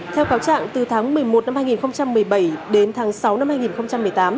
theo cáo trạng từ tháng một mươi một năm hai nghìn một mươi bảy đến tháng sáu năm hai nghìn một mươi tám